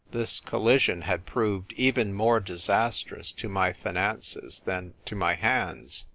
This collision had proved even more disastrous to my finances than to my hands.